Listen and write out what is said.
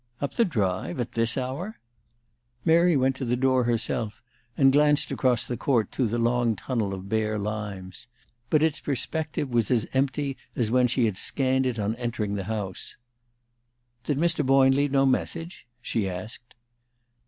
"Up the drive? At this hour?" Mary went to the door herself, and glanced across the court through the long tunnel of bare limes. But its perspective was as empty as when she had scanned it on entering the house. "Did Mr. Boyne leave no message?" she asked.